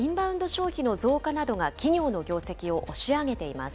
消費の増加などが企業の業績を押し上げています。